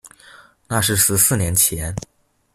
那是十四年前